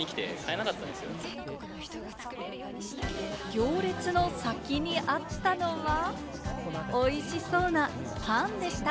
行列の先にあったのは、おいしそうなパンでした。